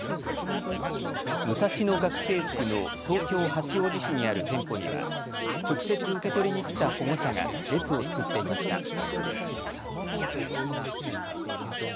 ムサシノ学生服の東京八王子市にある店舗には直接、受け取りに来た保護者が列を作っていました。